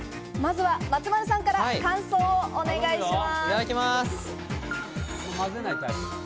松丸さんから感想をお願いします。